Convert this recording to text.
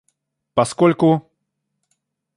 поскольку